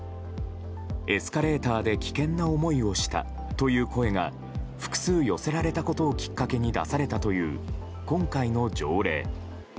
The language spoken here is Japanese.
エスカレーターで危険な思いをしたという声が複数寄せられたことをきっかけに出されたという今回の条例。